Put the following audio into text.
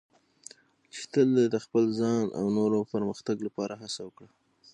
چې تل د خپل ځان او نورو پرمختګ لپاره هڅه وکړه.